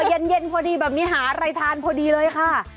เออเย็นพอดีแบบมีหารายทานพอดีเลยค่ะ